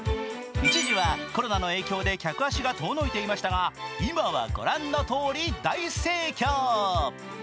一時はコロナの影響で客足が遠のいていましたが、今は御覧のとおり、大盛況。